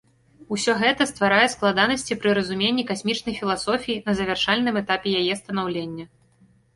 Усё гэта стварае складанасці пры разуменні касмічнай філасофіі на завяршальным этапе яе станаўлення.